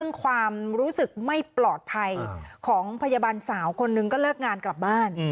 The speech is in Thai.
ซึ่งความรู้สึกไม่ปลอดภัยของพยาบาลสาวคนนึงก็เลิกงานกลับบ้าน